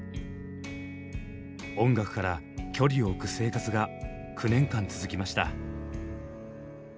音楽から距離を置く生活が９年間続きました。